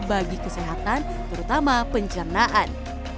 bagi kesehatan terutama pencernaan